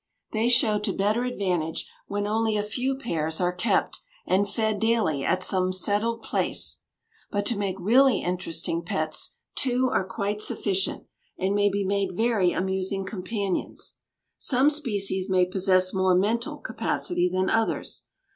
They show to better advantage when only a few pairs are kept and fed daily at some settled place; but to make really interesting pets two are quite sufficient, and may be made very amusing companions. Some species may possess more mental capacity than others.